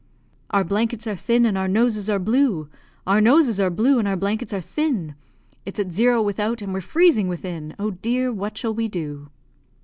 Our blankets are thin, and our noses are blue Our noses are blue, and our blankets are thin, It's at zero without, and we're freezing within! (Chorus) Oh, dear, what shall we do?